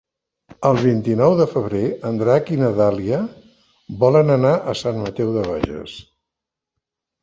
El vint-i-nou de febrer en Drac i na Dàlia volen anar a Sant Mateu de Bages.